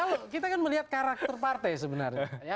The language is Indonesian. kalau kita kan melihat karakter partai sebenarnya